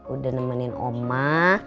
udah nemenin oma